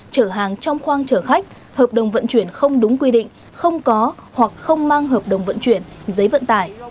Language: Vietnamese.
chở hàng trong khoang chở khách hợp đồng vận chuyển không đúng quy định không có hoặc không mang hợp đồng vận chuyển giấy vận tải